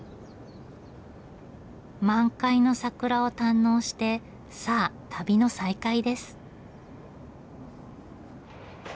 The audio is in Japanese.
満開の桜を堪能してさあ旅の再開です。